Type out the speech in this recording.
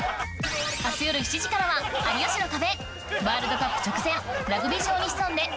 明日夜７時からは『有吉の壁』